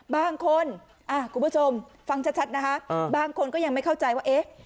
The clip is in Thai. บางคนอ่ะคุณผู้ชมฟังชัดชัดนะคะอืมบางคนก็ยังไม่เข้าใจว่าเอ๊ะ